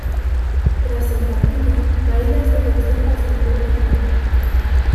Tras el partido, caídas de tensión presentó una demanda.